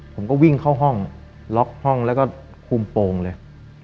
ผมก็วิ่งเข้าห้องล็อกห้องแล้วก็คุมโปรงเลย